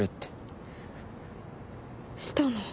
したの？